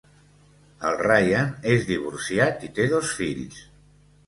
El Ryan és divorciat i té dos fills.